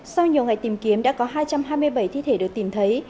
sau nhiều ngày tìm kiếm đã có hai trăm hai mươi bảy thi thể được tìm thấy